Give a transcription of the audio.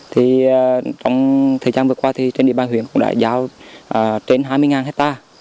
thời gian vừa qua địa bàn huyện đã giao trên hai mươi hectare